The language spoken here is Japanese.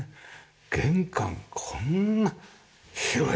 玄関こんな広い！